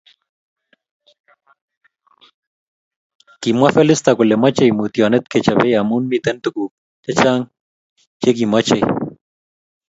Kimwa Felista kole mochei mutionet kechobei amu miten tukuuk che chang che kimochei.